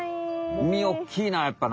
みみおっきいなやっぱな。